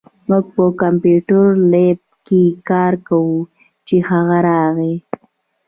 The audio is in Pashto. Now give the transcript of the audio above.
مونږ په کمپیوټر لېب کې کار کوو، چې هغه راغی